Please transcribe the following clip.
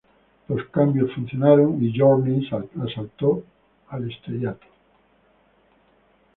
Los cambios funcionaron, y Journey saltó al estrellato.